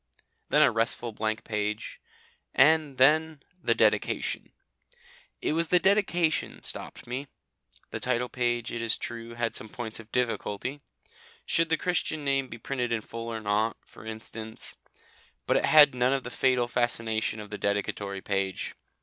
Then a restful blank page, and then the Dedication. It was the dedication stopped me. The title page, it is true, had some points of difficulty. Should the Christian name be printed in full or not, for instance; but it had none of the fatal fascination of the dedicatory page.